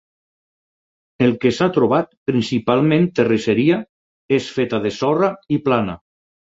El que s'ha trobat, principalment terrisseria, és feta de sorra i plana.